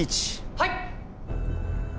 はい！